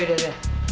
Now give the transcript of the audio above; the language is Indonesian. yaudah yaudah yaudah